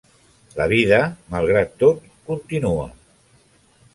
La vida, malgrat tot, continua.